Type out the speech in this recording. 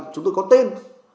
chúng tôi có tên